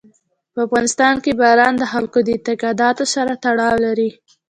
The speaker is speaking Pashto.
په افغانستان کې باران د خلکو د اعتقاداتو سره تړاو لري.